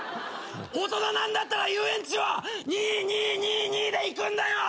大人なんだったら遊園地は２２２２で行くんだよ。